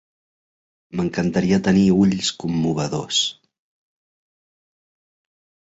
M'encantaria tenir ulls commovedors.